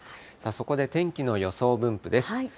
そこで天気の予想分布です。